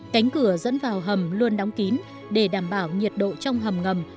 cánh cửa dẫn vào hầm luôn đóng kín để đảm bảo nhiệt độ trong hầm ngầm